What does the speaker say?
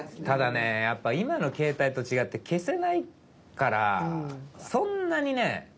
ただねやっぱ今の携帯と違って消せないからそんなにね